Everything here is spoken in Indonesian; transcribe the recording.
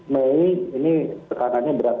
mei ini tekanannya berat